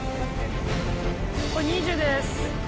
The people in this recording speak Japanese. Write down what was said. これ２０です。